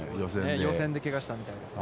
予選で、けがしたみたいですね。